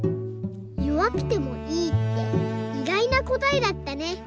「よわくてもいい」っていがいなこたえだったね。